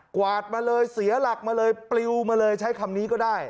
วาดมาเลยเสียหลักมาเลยปลิวมาเลยใช้คำนี้ก็ได้